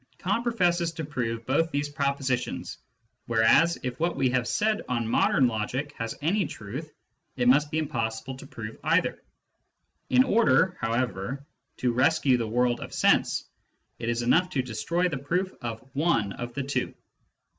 Kant professes to prove both these propositions, whereas, if what we have said on modern logic has any truth, it must be impossible to prove either. In order, however, to rescue the world of sense, it is enough to destroy the proof of one of the two.